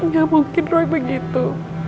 gak mungkin roy begitu